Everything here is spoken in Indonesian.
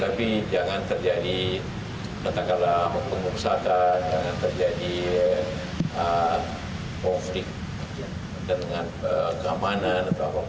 tapi jangan terjadi katakanlah pengusaha jangan terjadi conflict dengan keamanan apapun itu aja saja